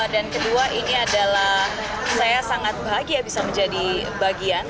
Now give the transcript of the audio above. dan kedua ini adalah saya sangat bahagia bisa menjadi bagian